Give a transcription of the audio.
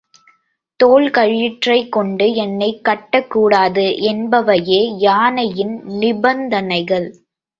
தோல் கயிற்றைக்கொண்டு என்னைக் கட்டக்கூடாது என்பவையே யானையின் நிபந்தனைகள்.